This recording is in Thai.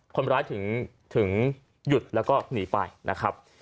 คนร้ายถึงหยุดแล้วก็หนีไปนะครับ